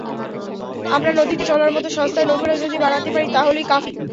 আমরা নদীতে চলার মতো সস্তায় নৌকাটা যদি বানাতে পারি, তাহলেই কাফি।